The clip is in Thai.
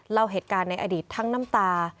เล่าเหตุการณ์ในอดีตทั้งน้ำตา